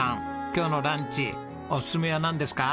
今日のランチおすすめはなんですか？